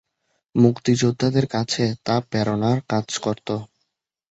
মুক্তিযোদ্ধাদের কাছে তা প্রেরণার কাজ করত।